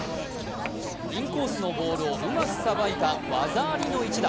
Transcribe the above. インコースのボールをうまくさばいた技ありの一打。